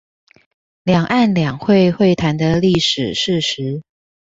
兩岸兩會會談的歷史事實